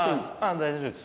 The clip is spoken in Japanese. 大丈夫です。